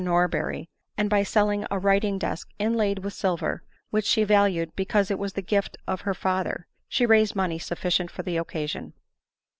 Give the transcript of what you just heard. Norberry, and by selling a writing desk inlaid with silver, which she valued because it was the gift of her father," she raised money sufficient for the occasion.